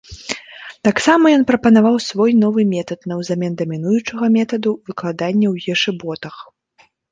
Тамсама ён прапанаваў свой новы метад наўзамен дамінуючага метаду выкладання ў ешыботах.